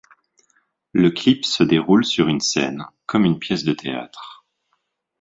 Le clip se déroule sur une scène comme une pièce de théâtre.